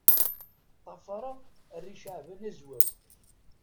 Ṭṭafareɣ arriCaɛban Azwaw.